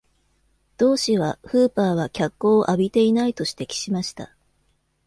同紙は、フーパーは脚光を浴びていないと指摘しました。